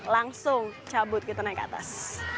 langsung cabut gitu naik ke atas